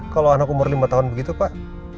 kalau anak umur lima tahun begitu pak